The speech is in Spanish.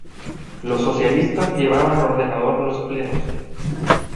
Los socialistas llevaban ordenador los plenos.